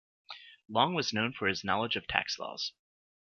Long was known for his knowledge of tax laws.